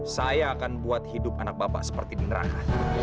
saya akan buat hidup anak bapak seperti di neraka